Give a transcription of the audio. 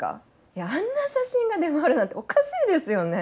いやあんな写真が出回るなんておかしいですよね。